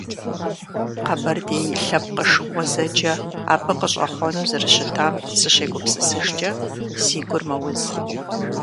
Къэбэрдей лъэпкъыш гъуэзэджэ абы къыщӀэхъуэну зэрыщытам сыщегупсысыжкӀэ, си гур мэуз.